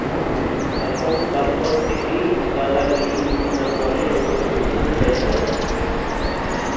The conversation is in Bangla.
এবং তারপর থেকেই তারা এই জমিদার বাড়ির রক্ষণাবেক্ষণের দায়িত্বে আছেন।